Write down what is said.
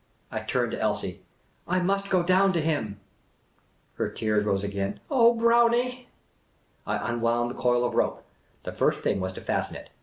I turned to Elsie. " I must go down to him !" Her tears rose again. " Oh, Brownie !" I unwound the coil of rope. The first thing was to fasten it.